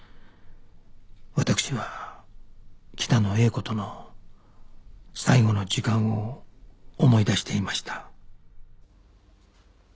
私は北野英子との最後の時間を思い出していました